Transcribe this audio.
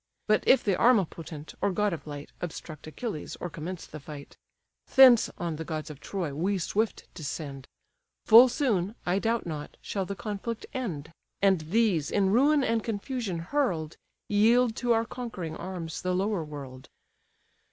But if the armipotent, or god of light, Obstruct Achilles, or commence the fight, Thence on the gods of Troy we swift descend: Full soon, I doubt not, shall the conflict end; And these, in ruin and confusion hurl'd, Yield to our conquering arms the lower world."